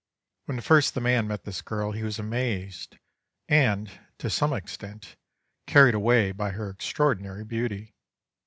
When first the man met this girl he was amazed, and, to some extent, carried away by her extraordinary beauty.